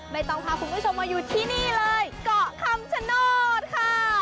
ต้องพาคุณผู้ชมมาอยู่ที่นี่เลยเกาะคำชโนธค่ะ